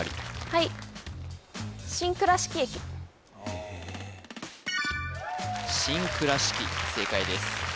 はいああ新倉敷正解です